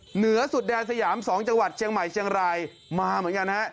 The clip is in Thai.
เหนือสุดแดนสยาม๒จังหวัดเชียงใหม่เชียงรายมาเหมือนกันฮะ